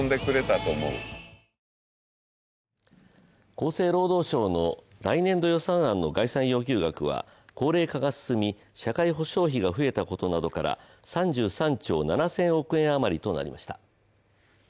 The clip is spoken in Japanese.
厚生労働省の来年度予算案の概算要求額は高齢化が進み社会保障費が増えたことなどから３３兆７０００億円あまりとなりました。